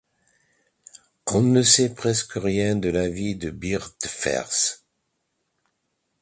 On ne sait presque rien de la vie de Byrhtferth.